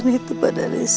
berikan itu kepada resi